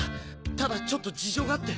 ただちょっと事情があって。